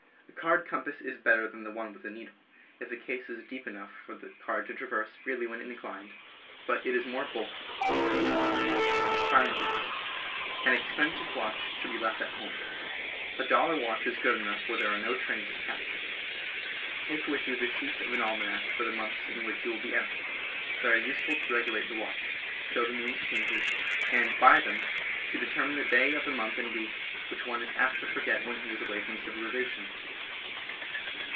A card compass [is better than one with a needle, if the case is deep enough for the card to traverse freely when inclined, but it is more bulky. An expensive watch should be left at home. A dol lar watch is good enough where there are no trains to _.. catch. Take with you the sheets of an ^' almanac for the months in which you will be out. They are useful to regulate the watch, show the moon's changes, and, by them, to determine the day of the month and week, which one is apt to forget when he is away from civilization.